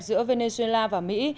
giữa venezuela và mỹ